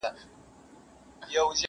• زغره د همت په تن او هیلي یې لښکري دي,